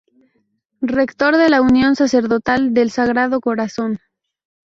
Rector de la Unión Sacerdotal del Sagrado Corazón.